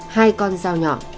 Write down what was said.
hai con dao nhọn